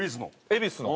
恵比寿の。